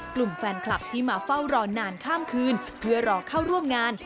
กลุ่มแฟนคลับที่มาเฝ้ารอนานข้ามคืนเพื่อรอเข้าร่วมงาน